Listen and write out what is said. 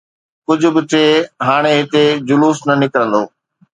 ڪجهه به ٿئي، هاڻي هتي جلوس نه نڪرندو.